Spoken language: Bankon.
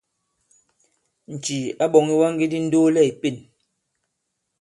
Ǹcìì à ɓɔ̂ŋ ìwaŋge di ndoolɛ ì pěn.